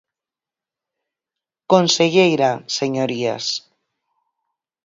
Conselleira, señorías.